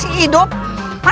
ini pandu tua